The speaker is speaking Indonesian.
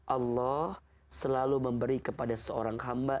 allah selalu memberi kepada seorang hamba